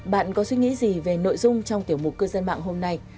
bạn có suy nghĩ gì về nội dung trong tiểu mục cư dân mạng hôm nay